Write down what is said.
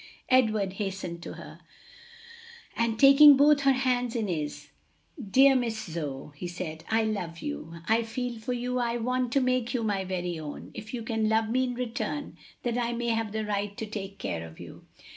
Edward hastened to her, and taking both her hands in his, "Dear Miss Zoe," he said, "I love you, I feel for you, I want to make you my very own, if you can love me in return, that I may have the right to take care of you.